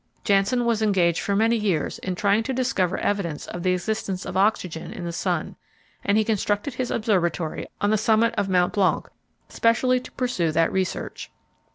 Janssen was engaged for many years in trying to discover evidence of the existence of oxygen in the sun, and he constructed his observatory on the summit of Mount Blanc specially to pursue that research.